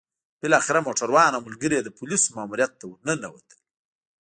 بالاخره موټروان او ملګري يې د پوليسو ماموريت ته ورننوتل.